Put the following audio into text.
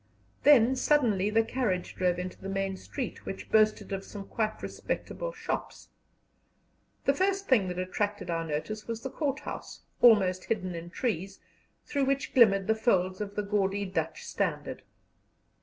Then suddenly the carriage drove into the main street, which boasted of some quite respectable shops. The first thing that attracted our notice was the Court House, almost hidden in trees, through which glimmered the folds of the gaudy Dutch standard.